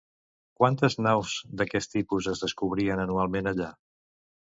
Quantes naus d'aquest tipus es descobrien anualment allà?